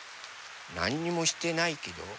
なんにもしてないけど。